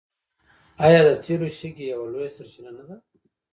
آیا د تیلو شګې یوه لویه سرچینه نه ده؟